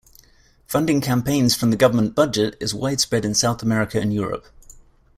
Funding campaigns from the government budget is widespread in South America and Europe.